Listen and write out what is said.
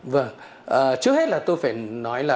vâng trước hết là tôi phải nói là